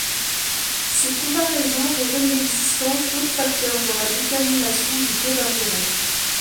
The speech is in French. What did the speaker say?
Ces comparaisons révèlent l'existence d'autres facteurs dans la détermination du taux d'intérêt.